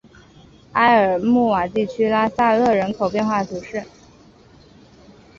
埃尔穆瓦地区拉塞勒人口变化图示